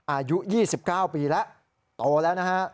อายุ๒๙ปีแล้วโตแล้วนะฮะ